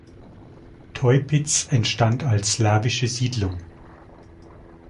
Teupitz entstand als slawische Siedlung.